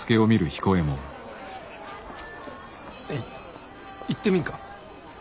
いいってみんか？